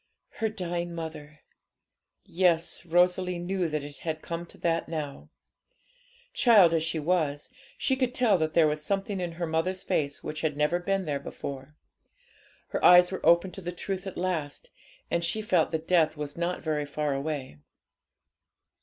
Her dying mother! Yes, Rosalie knew that it had come to that now. Child as she was, she could tell that there was something in her mother's face which had never been there before. Her eyes were opened to the truth at last, and she felt that death was not very far away.